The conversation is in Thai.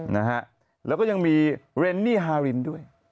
นะฮะแล้วก็ยังมีเรนนี่ฮารินด้วย